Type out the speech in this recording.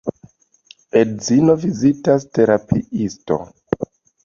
Edzino vizitas terapiiston.